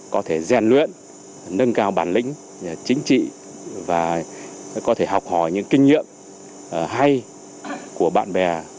có thể rèn luyện nâng cao bản lĩnh chính trị và có thể học hỏi những kinh nghiệm hay của bạn bè